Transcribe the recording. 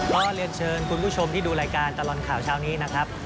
ก็เรียนเชิญคุณผู้ชมที่ดูรายการตลอดข่าวเช้านี้นะครับ